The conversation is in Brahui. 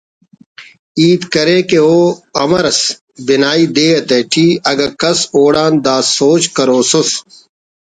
ہیت کرے کہ او امر ئس بنائی دے تیٹی‘ اگہ کس اوڑان دا سوج کروسس